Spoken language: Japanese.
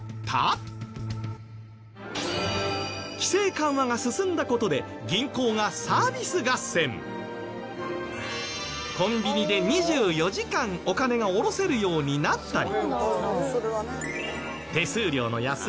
規制緩和が進んだ事でコンビニで２４時間お金が下ろせるようになったり。